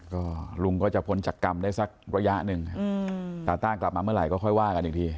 ก็ลุงก็จะพ้นจากกรรมได้สักระยะหนึ่งตาต้ากลับมาเมื่อไหร่ก็ค่อยว่ากันอีกที